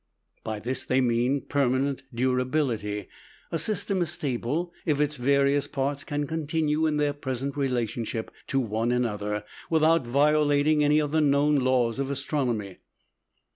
By this they mean permanent durability. A system is stable if its various parts can continue in their present relationship to one another, without violating any of the known laws of astronomy.